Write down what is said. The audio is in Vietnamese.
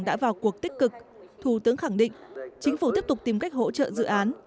đã vào cuộc tích cực thủ tướng khẳng định chính phủ tiếp tục tìm cách hỗ trợ dự án